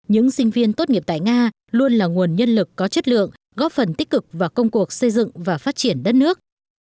những sinh viên tốt nghiệp tại nga luôn là nguồn nhân lực có chất lượng góp phần tích cực vào công cuộc xây dựng và phát triển đất nước